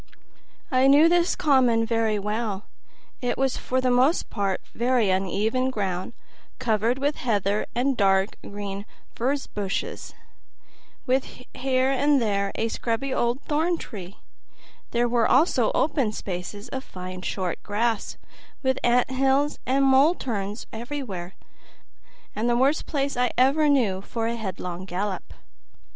I knew this common very well; it was for the most part very uneven ground, covered with heather and dark green furze bushes, with here and there a scrubby old thorn tree; there were also open spaces of fine short grass, with ant hills and mole turns everywhere; the worst place I ever knew for a headlong gallop.